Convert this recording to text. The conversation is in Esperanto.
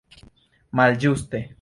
malĝuste